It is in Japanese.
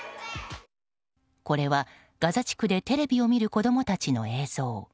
これはガザ地区でテレビを見る子供たちの映像。